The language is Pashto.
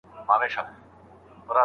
هغه ډاکټر چي لوړ ږغ لري، پاڼه ړنګوي.